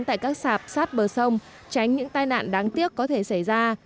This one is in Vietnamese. tại các sạp sát bờ sông tránh những tai nạn đáng tiếc có thể xảy ra